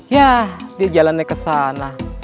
ya dia jalannya ke sana